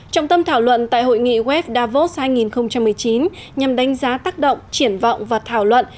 trọng tâm thảo luận tại hội nghị wef davos hai nghìn một mươi chín nhằm đánh giá tác động triển vọng và thảo luận